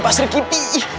pak sri kiti